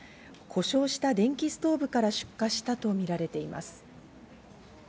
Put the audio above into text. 故障した電気ストーブから出火したとみられています。